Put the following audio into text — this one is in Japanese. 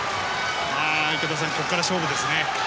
池田さん、ここから勝負ですね。